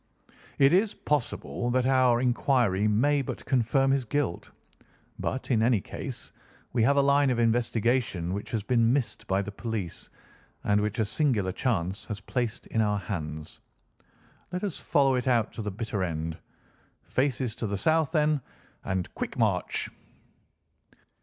It is possible that our inquiry may but confirm his guilt; but, in any case, we have a line of investigation which has been missed by the police, and which a singular chance has placed in our hands. Let us follow it out to the bitter end. Faces to the south, then, and quick march!"